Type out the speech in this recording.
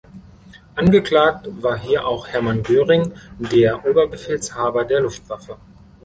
Angeklagt war hier auch Hermann Göring, der Oberbefehlshaber der Luftwaffe.